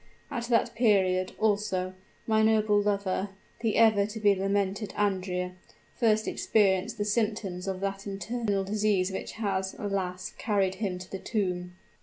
At that period, also, my noble lover the ever to be lamented Andrea first experienced the symptoms of that internal disease which has, alas! carried him to the tomb."